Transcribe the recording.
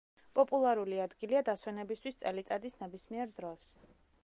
პოპულარული ადგილია დასვენებისთვის წელიწადის ნებისმიერ დროს.